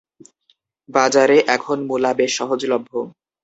বাজারে এখন মুলা বেশ সহজলভ্য।